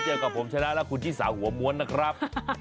กับผมชนะและคุณชิสาหัวม้วนนะครับ